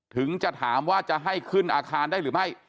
ถึงจะถามว่าจะให้ขึ้นอาคารได้หรือไม่